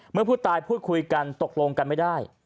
เมื่อผู้ตายพูดคุยกันตกลงกันไม่ได้